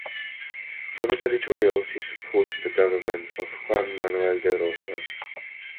From his editorials he supported the government of Juan Manuel de Rosas.